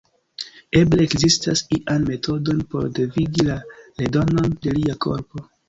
Eble ekzistas ian metodon por devigi la redonon de lia korpo.